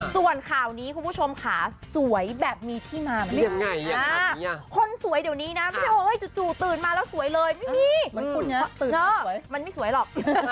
ส่วนข่าวนี้คุณผู้ชมค่ะสวยแบบมีที่มามันยังไงคนสวยเดี๋ยวนี้นะไม่ใช่ว่าจู่ตื่นมาแล้วสวยเลยไม่มีมันไม่สวยหรอก